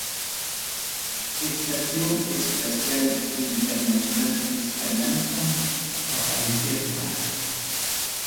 Huk Estación Espacial Iternacional nisqanllatam paqarichirqa.